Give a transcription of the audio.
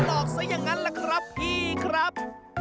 หลอกซะอย่างนั้นล่ะครับพี่ครับ